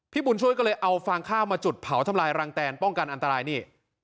บุญช่วยก็เลยเอาฟางข้าวมาจุดเผาทำลายรังแตนป้องกันอันตรายนี่